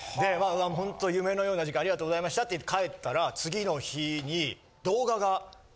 「ほんと夢のような時間ありがとうございました」って帰ったら次の日に。